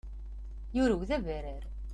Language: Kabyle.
Yurew-d abarrar.